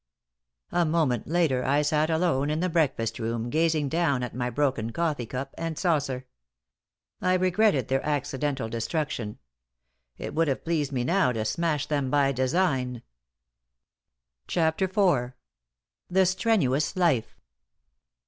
A moment later, I sat alone in the breakfast room, gazing down at my broken coffee cup and saucer. I regretted their accidental destruction. It would have pleased me now to smash them by design. *CHAPTER IV.* *THE STRENUOUS LIFE.